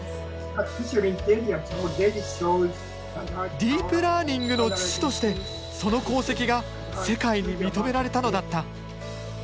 ディープラーニングの父としてその功績が世界に認められたのだった。